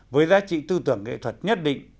với giá trị tư tưởng nghệ thuật nhất định